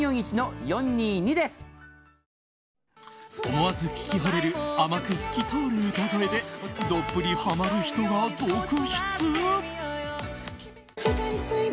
思わず聴きほれる甘く透き通る歌声でどっぷりハマる人が続出。